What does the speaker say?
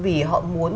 mà vì họ muốn